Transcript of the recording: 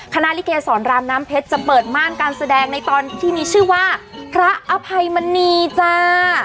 ลิเกสรรามน้ำเพชรจะเปิดม่านการแสดงในตอนที่มีชื่อว่าพระอภัยมณีจ้า